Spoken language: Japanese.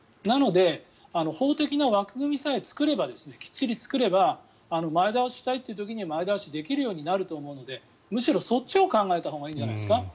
なので、法的な枠組みさえ作ればきっちり作れば前倒ししたいという時に前倒しできるようになると思うのでむしろそっちを考えたほうがいいんじゃないですか。